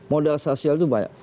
modal sosial itu banyak